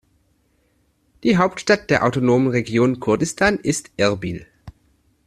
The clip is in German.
Die Hauptstadt der autonomen Region Kurdistan ist Erbil.